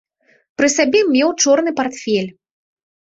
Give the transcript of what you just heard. Пры сабе меў чорны партфель.